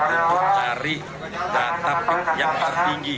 untuk cari datap yang paling tinggi